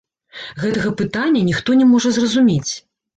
Гэтага пытання ніхто не можа зразумець.